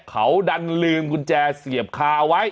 เขาดันลืมกุญแจเสียบคาเอาไว้